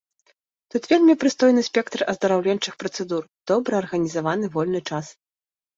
Тут вельмі прыстойны спектр аздараўленчых працэдур, добра арганізаваны вольны час.